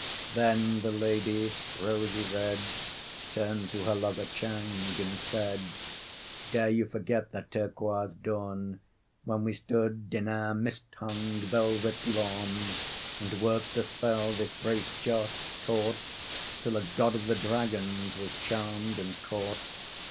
'" Then the lady, rosy red, Turned to her lover Chang and said: "Dare you forget that turquoise dawn When we stood in our mist hung velvet lawn, And worked a spell this great joss taught Till a God of the Dragons was charmed and caught?